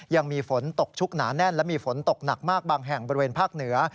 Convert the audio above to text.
ยังมีฝนตกชุกหนาแน่นและมีฝนตกหนักมากบางแห่งบริเวณภาคเหนือ